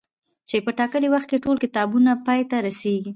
چي په ټاکلي وخت کي ټول کتابونه پاي ته رسيږي